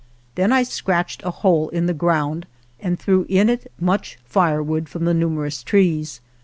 Then I scratched a hole in the ground and threw in it much firewood from the numerous trees.